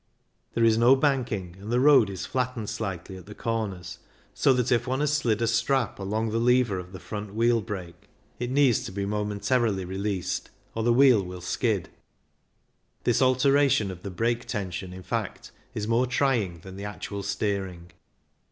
There is no banking, and the road is flattened slightly at the corners, so that if one has slid a strap along the lever of the front wheel brake, it needs to be momentarily released. 36 CYCLING IN THE ALPS or the wheel will skid. This alteration of the brake tension, in fact, is more trying than the actual steering.